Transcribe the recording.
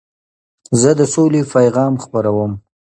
زه د سولي پیغام خپروم.